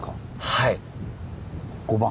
はい。